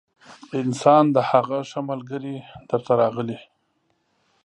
انسان د هغه ښه ملګري در ته راغلی